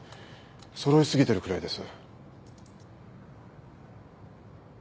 揃い過ぎてるくらいです。